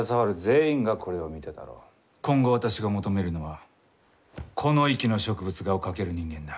今後私が求めるのはこの域の植物画を描ける人間だ。